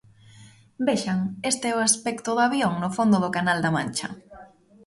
Vexan, este é o aspecto do avión no fondo do canal da Mancha.